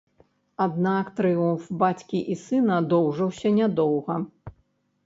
Аднак трыумф бацькі і сына доўжыўся нядоўга.